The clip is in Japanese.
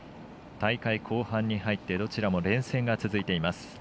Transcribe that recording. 大会後半に入ってどちらも連戦が続いています。